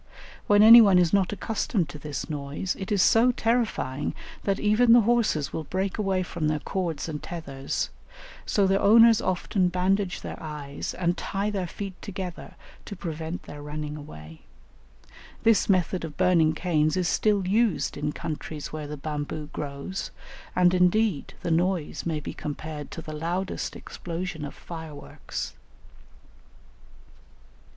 When any one is not accustomed to this noise, it is so terrifying that even the horses will break away from their cords and tethers; so their owners often bandage their eyes and tie their feet together to prevent their running away." This method of burning canes is still used in countries where the bamboo grows, and indeed the noise may be compared to the loudest explosion of fire works.